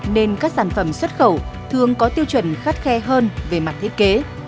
nên các sản phẩm xuất khẩu thường có tiêu chuẩn khắt khe hơn về mặt thiết kế